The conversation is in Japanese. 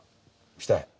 したい。